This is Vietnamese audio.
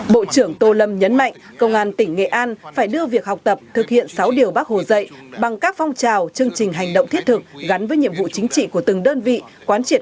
bộ trưởng tô lâm nhấn mạnh công an tỉnh nghệ an phải đưa việc học tập thực hiện sáu điều bác hồ dạy bằng các phong trào chương trình hành động thiết thực gắn với nhiệm vụ chính trị của từng đơn vị